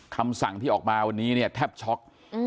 คำสั่งที่ออกมาวันนี้เนี่ยแทบช็อก